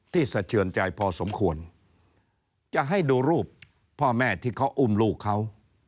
สะเทือนใจพอสมควรจะให้ดูรูปพ่อแม่ที่เขาอุ้มลูกเขา